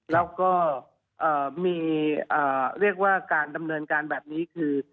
แล้วก็มีเรียกว่าการดำเนินการแบบนี้คือ